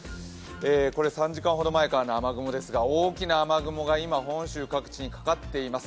これ３時間ほど前からの雨雲ですが大きな雨雲が今、本州各地にかかっています。